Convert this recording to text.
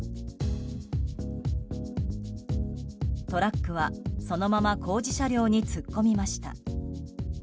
トラックは、そのまま工事車両に突っ込みました。